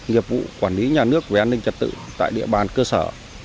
nghiệp vụ quản lý nhà nước về an ninh trật tự tại địa bàn cơ sở